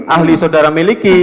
ahli saudara miliki